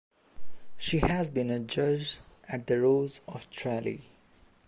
She has been a judge at the Rose of Tralee.